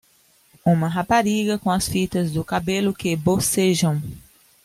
Uma rapariga com as fitas do cabelo que bocejam.